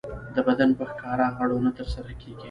د بدن په ښکاره غړو نه ترسره کېږي.